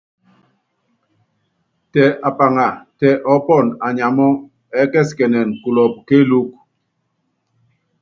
Tɛ apaŋa, tɛ ɔɔ́pɔnɔ anyamɔ́, ɛɛ́kɛsikɛnɛn kulɔ́pɔ kéelúku.